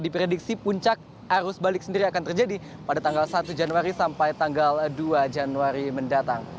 diprediksi puncak arus balik sendiri akan terjadi pada tanggal satu januari sampai tanggal dua januari mendatang